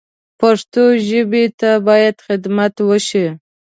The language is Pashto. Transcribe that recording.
پښتو ژبې ته باید خدمت وشي